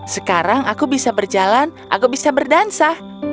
sekarang aku bisa berjalan aku bisa berdansa